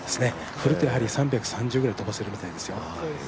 振るとやっぱり３３０ぐらい飛ばせるみたいですよ。